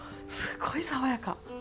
すごい爽やか。